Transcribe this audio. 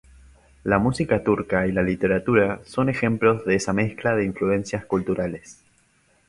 La música turca y la literatura son ejemplos de esa mezcla de influencias culturales.